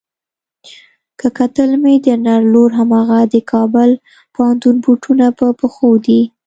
که کتل مې د نر لور هماغه د کابل پوهنتون بوټونه په پښو دي.